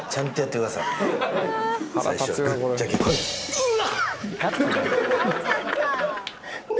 うわ！？